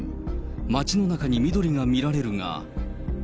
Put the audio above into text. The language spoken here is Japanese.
街の中に緑が見られるが。